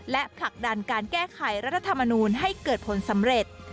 และผลักดันการแก้ไขรัฐธรรมนูลให้เกิดผลสำเร็จ